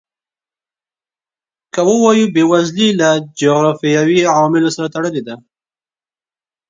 که ووایو بېوزلي له جغرافیوي عواملو سره تړلې ده.